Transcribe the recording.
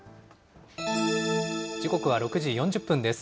時刻は６時４０分です。